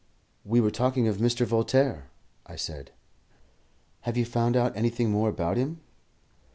"We were talking of Mr. Voltaire," I said. "Have you found out anything more about him?"